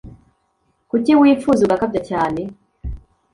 Kuki wifuza ugakabya cyane